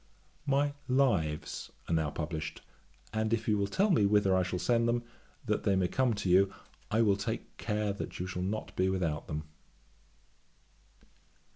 'My Lives are now published; and if you will tell me whither I shall send them, that they may come to you, I will take care that you shall not be without them.